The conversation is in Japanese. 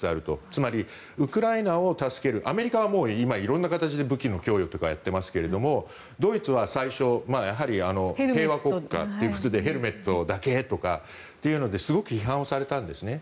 つまりウクライナを助けるアメリカは今、色んな形で武器の供与とかやっていますけどドイツは最初平和国家ということでヘルメットだけとかそういうのですごく批判をされたんですね。